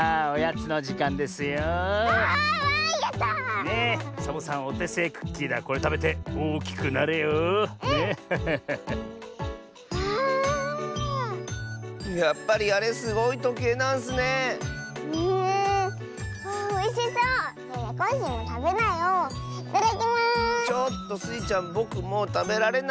ちょっとスイちゃんぼくもうたべられないッスよ！